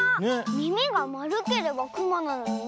みみがまるければくまなのにね。